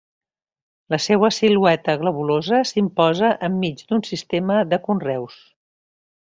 La seua silueta globulosa s'imposa enmig d'un sistema de conreus.